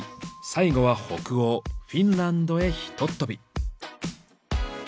最後は北欧フィンランドへひとっ飛び。